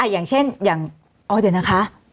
อย่างเช่นอย่างอ๋อเดี๋ยวนะคะ